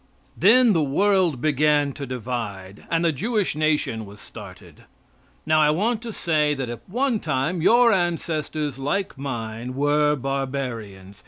Then the world began to divide, and the Jewish nation was started. Now I want to say that at one time your ancestors, like mine, were barbarians.